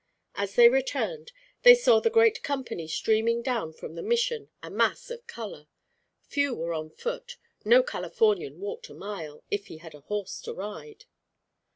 As they returned, they saw the great company streaming down from the Mission, a mass of colour. Few were on foot. No Californian walked a mile, if he had a horse to ride.